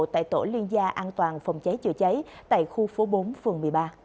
tại tổ liên gia an toàn phòng cháy chữa cháy tại khu phố bốn phường một mươi ba